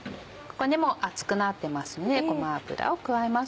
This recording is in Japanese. もう熱くなってますんでごま油を加えます。